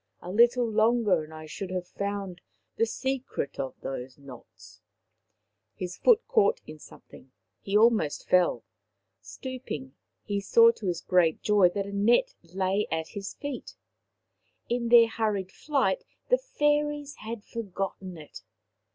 A little longer, and I should have found the secret of those knots." His foot caught in something — he almost fell. Stooping, he saw to his great joy that a net lay at his feet. In their hurried flight the fairies had forgotten it.